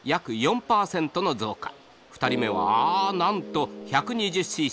２人目はあなんと１２０ｃｃ。